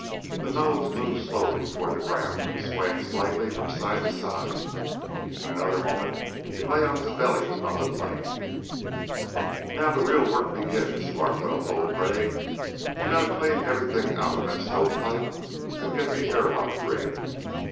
The nose moved slowly toward the ground, swaying slightly from side to side. In another moment it lay on its belly on the plain. "Now the real work begins," Larkwell told Crag. "We gotta clean everything out of that stovepipe and get the airlock rigged."